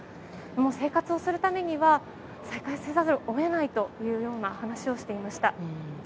生活をするためには再開せざるを得ないという話をしていました。